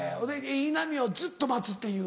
いい波をずっと待つっていう。